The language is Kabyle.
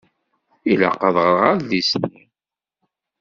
Ilaq ad ɣṛeɣ adlis-nni.